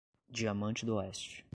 Diamante d'Oeste